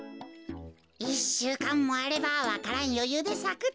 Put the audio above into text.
１しゅうかんもあればわか蘭よゆうでさくってか。